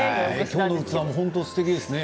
今日の器も本当にすてきですね。